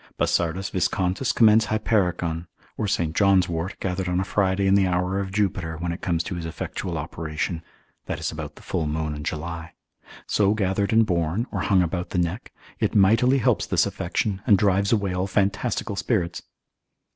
Bassardus Viscontinus, ant. philos. commends hypericon, or St. John's wort gathered on a Friday in the hour of Jupiter, when it comes to his effectual operation (that is about the full moon in July); so gathered and borne, or hung about the neck, it mightily helps this affection, and drives away all fantastical spirits.